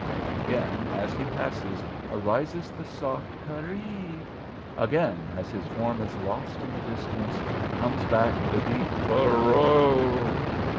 Again, as he passes, rises the soft 'Kerree'; again, as his form is lost in the distance, comes back the deep 'Kerrow.